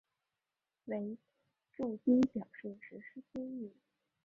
为住居表示实施区域。